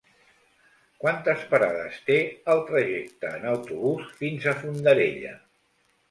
Quantes parades té el trajecte en autobús fins a Fondarella?